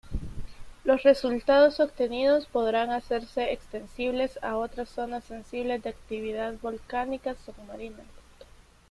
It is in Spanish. Los resultados obtenidos podrán hacerse extensibles a otras zonas sensibles de actividad volcánica submarina.